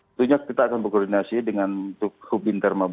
sebenarnya kita akan berkoordinasi dengan tukubin termabunga